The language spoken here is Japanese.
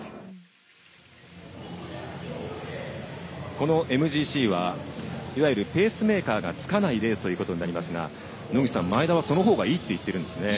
このＭＧＣはいわゆるペースメーカーがつかないレースになりますが野口さん、前田はそのほうがいいと言っているんですね。